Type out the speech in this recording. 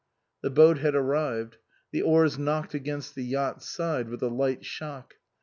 The boat had arrived. The oars knocked against the yacht's side with a light shock.